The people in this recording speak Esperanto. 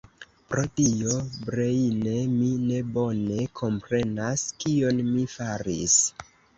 Pro Dio, Breine, mi ne bone komprenas, kion mi faris.